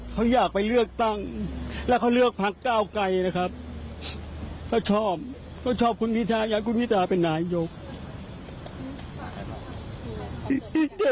มาเกิดเหตุการณ์นี้ขึ้นซะก่อนค่ะ